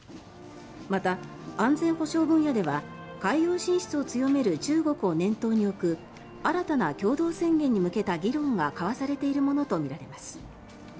また、安全保障分野では海洋進出を強める中国を念頭に置く新たな共同宣言に向けた議論が交わされているものとみられます。